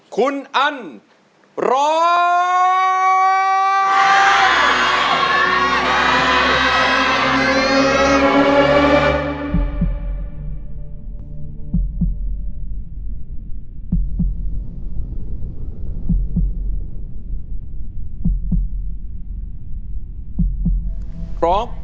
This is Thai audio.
คุณอันร้อง